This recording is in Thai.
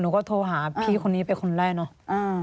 ก็โทรหาพี่คนนี้เป็นคนแรกเนาะ